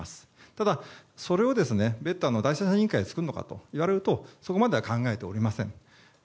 ただそれを別途、第三者委員会を作るのかといわれるとそこまでは考えておりません。